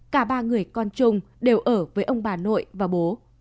cả ba người con chung đều ở với ông bà nội và bố